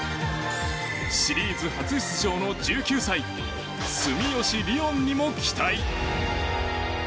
シリーズ初出場の１９歳、住吉りをんにも期待。